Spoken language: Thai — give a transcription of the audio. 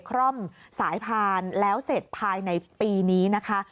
คร่อมสายพานแล้วเสร็จภายในปีนี้นะคะ